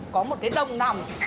có một cái đồng nòng